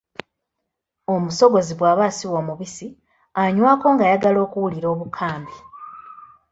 Omusogozi bw’aba asiwa omubisi anywako ng’ayagala okuwulira Obukambi.